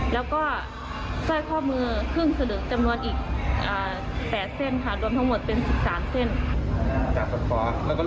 แล้วก็ใช้ช่วยข้อมือครึ่งสลึงปรากฎ๘เส้น